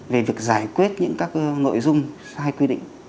về việc giải quyết những các nội dung sai quy định